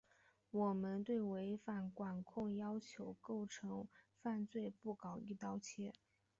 我们对违反管控要求构成犯罪不搞‘一刀切’